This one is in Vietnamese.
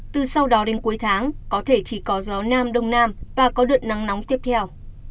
từ sau đó đến cuối tháng có thể chỉ có gió nam đông nam và có đợt nắng nóng tiếp theo